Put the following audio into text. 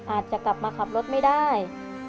อาจจะกลับมาขับรถไม่ได้